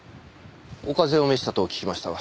お風邪を召したと聞きましたが。